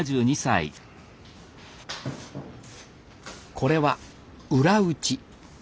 これは裏打ち。